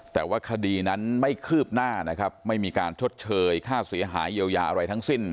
แต่ว่าคดีนั้นไม่คืบหน้านะครับไม่มีการชดเชยค่าเสียหายเยียวยาอะไรทั้งสิ้น